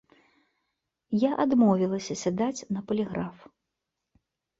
Я адмовілася сядаць на паліграф.